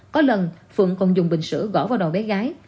có lần phượng còn dùng bình sữa gỏ vào đầu bé gái